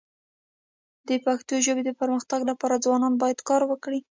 د پښتو ژبي د پرمختګ لپاره ځوانان باید کار وکړي.